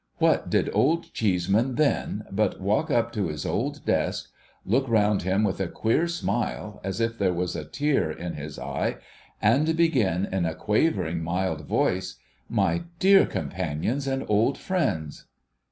AVhat did Old Cheeseman then, but walk up to his old desk, look round him with a queer smile as if there was a tear in his eye, and begin in a quavering, mild voice, ' My dear companions and old friends